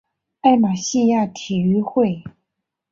艾马希亚体育会。